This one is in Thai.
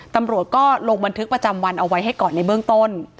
ตำรวจก็ลงบันทึกประจำวันเอาไว้ให้ก่อนในเบื้องต้น